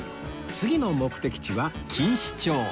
次の目的地は錦糸町